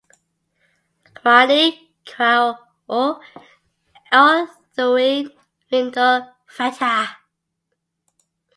Kwani kwaw'o ndew'ine vindo vejha?